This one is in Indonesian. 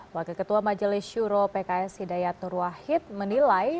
wakil ketua majelis syuro pks hidayat nur wahid menilai